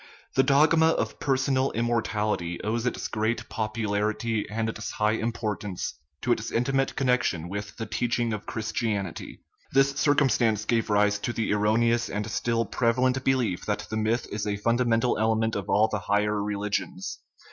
i The dogma of personal immortality owes its great popularity and its high importance to its intimate con nection with the teaching of Christianity. This cir cumstance gave rise to the erroneous and still preva lent belief that the myth is a fundamental element of all the higher religions.